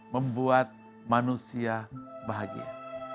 membuat manusia bahagia